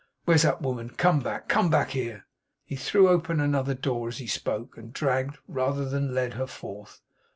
Where's that woman! Come back; come back here.' He threw open another door as he spoke, and dragged, rather than led, her forth.